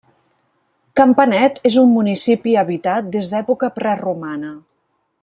Campanet és un municipi habitat des d'època preromana.